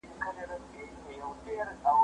په دوو برخو وویشله.